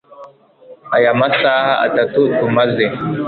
aya masaha atatu tumaze